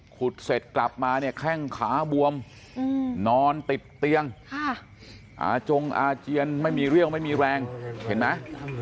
เสร็จกลับมาเนี่ยแข้งขาบวมนอนติดเตียงอาจงอาเจียนไม่มีเรี่ยวไม่มีแรงเห็นไหม